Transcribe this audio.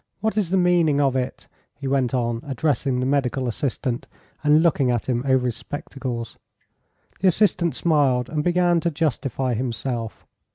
What is the meaning of it?" he went on, addressing the medical assistant, and looking at him over his spectacles. The assistant smiled, and began to justify himself.